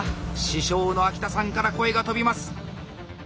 師匠の秋田さんから声が飛びます。